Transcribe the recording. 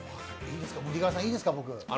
ムディ川さん、いいですか？